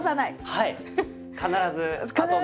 はい。